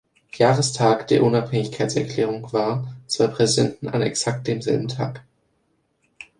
Jahrestag der Unabhängigkeitserklärung war, zwei Präsidenten an exakt demselben Tag.